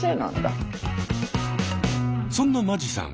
そんな間地さん